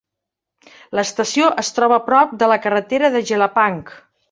L'estació es troba a prop de la carretera de Jelapang.